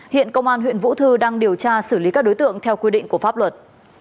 hiện công an huyện vũ thư đang điều tra xử lý các đối tượng theo quy định của pháp luật